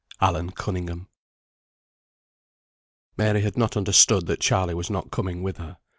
ALLAN CUNNINGHAM. Mary had not understood that Charley was not coming with her.